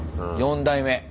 ４代目。